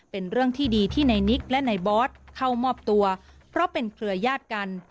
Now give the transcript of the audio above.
เป็นเรื่องที่ดีที่ในนิกและในบอสเข้ามอบตัวเพราะเป็นเครือยาศกัน